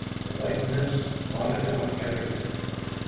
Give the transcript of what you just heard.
The white mist blotted out everything."